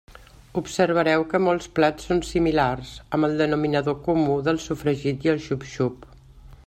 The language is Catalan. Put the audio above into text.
Observareu que molts plats són simi-lars, amb el denominador comú del so-fregit i el xup-xup.